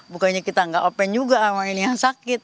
bukannya kita nggak open juga sama ini yang sakit